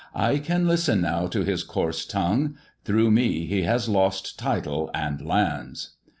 " I can listen now to his coarse tongue. Through me he has lost title and lands."